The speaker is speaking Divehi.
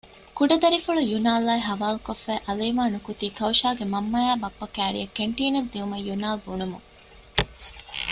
ކުޑަ ދަރިފުޅު ޔުނާލްއާއި ހަވާލުކޮށްފައި އާލިމާ ނުކުތީ ކައުޝާގެ މަންމައާއި ބައްޕަ ކައިރިއަށް ކެންޓީނަށް ދިޔުމަށް ޔުނާލް ބުނުމުން